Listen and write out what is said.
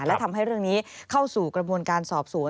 และทำให้เรื่องนี้เข้าสู่กระบวนการสอบสวน